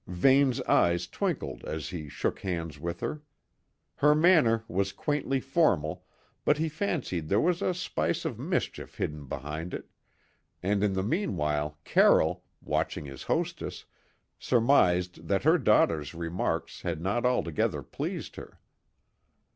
Vane's eyes twinkled as he shook hands with her. Her manner was quaintly formal, but he fancied there was a spice of mischief hidden behind it, and in the meanwhile Carroll, watching his hostess, surmised that her daughter's remarks had not altogether pleased her.